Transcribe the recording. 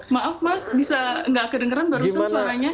maaf mas bisa nggak kedengeran barusan suaranya